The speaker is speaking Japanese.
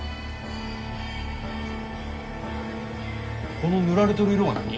この塗られとる色は何？